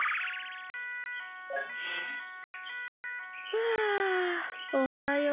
ふあおはよう。